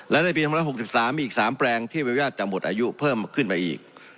และในปี๒๖๓มีอีก๓แปลงที่อนุญาตจะหมดอายุเพิ่มขึ้นไปอีก